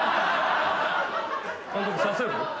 監督させる？